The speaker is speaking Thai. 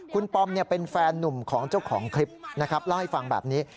คุณปอมเป็นแฟนนุ่มของเจ้าของคลิปนะครับเล่าให้ฟังแบบนี้